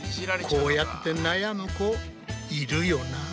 こうやって悩む子いるよなぁ。